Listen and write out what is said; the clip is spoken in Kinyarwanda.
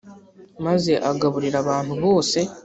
maze agaburira abantu bose